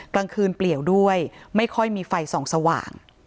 กลางคืนเปลี่ยวด้วยไม่ค่อยมีไฟส่องสว่าง